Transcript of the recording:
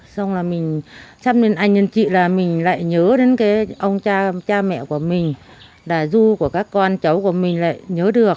xong là mình xăm lên anh nhân chị là mình lại nhớ đến cái ông cha cha mẹ của mình là ru của các con cháu của mình lại nhớ được